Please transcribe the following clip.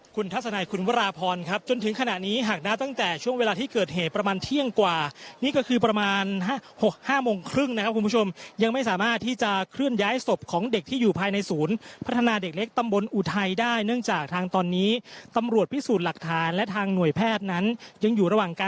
คุณทัศนายคุณวราพรครับจนถึงขณะนี้หากนะตั้งแต่ช่วงเวลาที่เกิดเหตุประมาณเที่ยงกว่านี่ก็คือประมาณ๕โมงครึ่งนะครับคุณผู้ชมยังไม่สามารถที่จะเคลื่อนย้ายศพของเด็กที่อยู่ภายในศูนย์พัฒนาเด็กเล็กตำบลอุทัยได้เนื่องจากทางตอนนี้ตำรวจพิสูจน์หลักฐานและทางหน่วยแพทย์นั้นยังอยู่ระหว่างการ